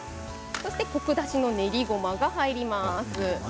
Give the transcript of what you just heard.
そしてコク出しの練りごまが入ります。